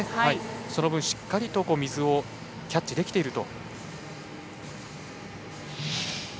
その分しっかり水をキャッチできていると。